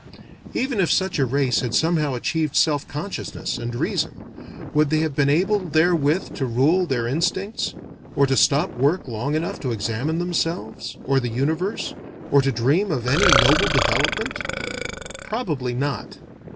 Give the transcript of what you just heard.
Even if such a race had somehow achieved self consciousness and reason, would they have been able therewith to rule their instincts, or to stop work long enough to examine themselves, or the universe, or to dream of any noble development? Probably not.